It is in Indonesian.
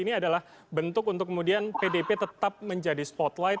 ini adalah bentuk untuk kemudian pdip tetap menjadi spotlight